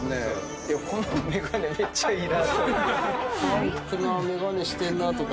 ファンクな眼鏡してんなとか。